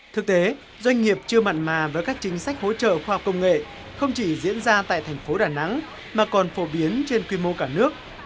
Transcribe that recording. thực tế doanh nghiệp chưa mặn mà với các chính sách hỗ trợ khoa học công nghệ không chỉ diễn ra tại thành phố đà nẵng mà còn phổ biến trên quy mô cả nước